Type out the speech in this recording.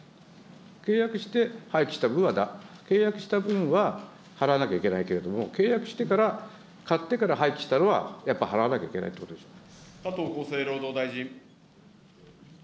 契約して廃棄した分は、契約した分は払わなきゃいけないけれども、契約してから、買ってから廃棄したのは、やっぱ払わなきゃいけないということで加藤厚生労働大臣。